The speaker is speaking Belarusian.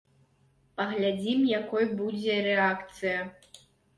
Паглядзім, якой будзе рэакцыя.